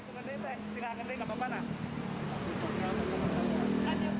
tidak kering tidak apa apa